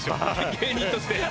芸人として。